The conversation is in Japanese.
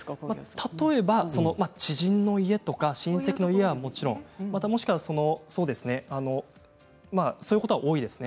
例えば、知人の家親戚の家はもちろんそういうことが多いですね